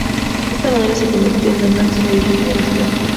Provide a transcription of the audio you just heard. De esta manera se convirtió en el máximo dirigente del Estado.